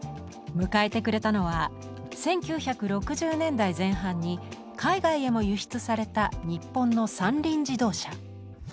迎えてくれたのは１９６０年代前半に海外へも輸出された日本の三輪自動車。